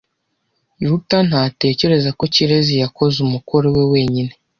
Ruta ntatekereza ko Kirezi yakoze umukoro we wenyine.